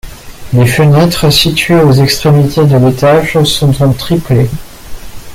Les fenêtres situées aux extrémités de l'étage sont en triplet.